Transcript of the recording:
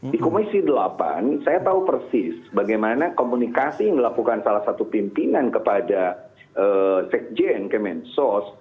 di komisi delapan saya tahu persis bagaimana komunikasi melakukan salah satu pimpinan kepada sekjen kemensos